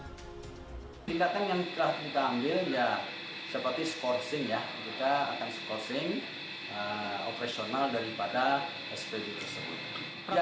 tindakan yang telah kita ambil ya seperti scourcing ya kita akan skorsing operasional daripada spbu tersebut